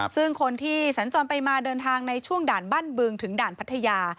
ซึ่งคนที่สัญจรไปมาเดินทางในช่วงด่านบ้านบึงถึงด่านพัทยา